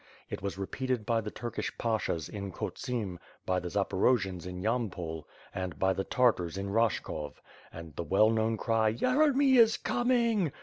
It was repeated by the Turkish pashas in Khotsim, by the Zaporojians in Yam pol, and by the Tartars in Rashkov; and the well knowTi cry "Yeremy is coming!"